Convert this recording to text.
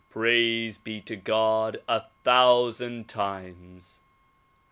Praise be to God a thousand times